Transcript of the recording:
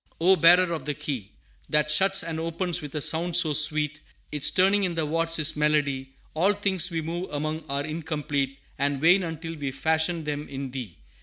"O Bearer of the key That shuts and opens with a sound so sweet Its turning in the wards is melody, All things we move among are incomplete And vain until we fashion them in Thee!